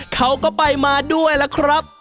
เขาก็ไปมาด้วยล่ะครับ